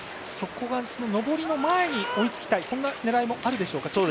上りの前に追いつきたいそんな狙いもあるでしょうか。